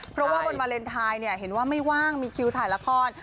เพราะว่าบนวาเลนไทยเห็นว่าไม่ว่างมีคิวถ่ายละคร